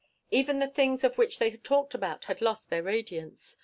Even the things of which they talked had lost their radiance.